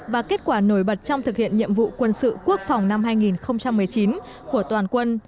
và kết quả nổi bật trong thực hiện nhiệm vụ quân sự quốc phòng năm hai nghìn một mươi chín của toàn quân